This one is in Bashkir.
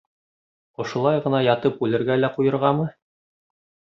Ошолай ғына ятып үлергә лә ҡуйырғамы?